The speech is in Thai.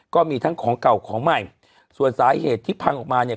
ก็มีทั้งของเก่าของใหม่ส่วนสาเหตุที่พังออกมาเนี่ย